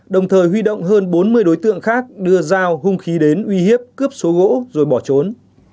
đồng thời huy động hơn bốn mươi đối tượng khác đưa dao hung khí đến uy hiếp cướp số gỗ rồi bỏ trốn